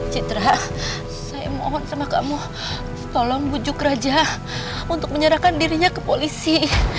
citra saya mohon sama kamu tolong bujuk raja untuk menyerahkan dirinya ke polisi